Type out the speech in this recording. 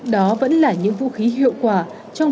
đó vẫn là những gì chúng ta cần